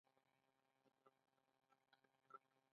پښتورګي څنګه وینه پاکوي؟